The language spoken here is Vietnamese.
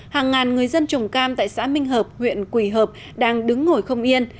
hàng ngàn người dân trồng cam tại xã minh hợp huyện quỳ hợp đang đứng ngồi không yên